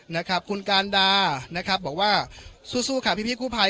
นะครับคุณการดานะครับบอกว่าสู้สู้ค่ะพี่กู้ภัย